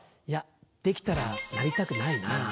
いやできたらなりたくないな。